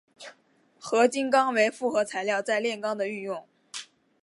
合金钢为复合材料在炼钢的运用。